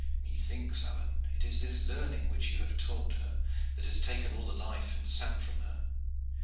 Methinks, Alleyne, it is this learning which you have taught her that has taken all the life and sap from her.